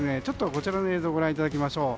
こちらの映像をご覧いただきましょう。